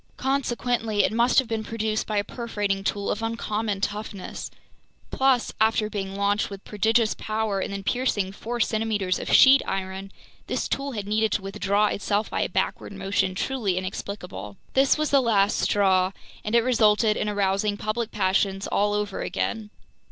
Consequently, it must have been produced by a perforating tool of uncommon toughness—plus, after being launched with prodigious power and then piercing four centimeters of sheet iron, this tool had needed to withdraw itself by a backward motion truly inexplicable. This was the last straw, and it resulted in arousing public passions all over again.